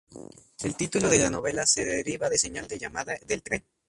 El título de la novela se deriva de señal de llamada del tren.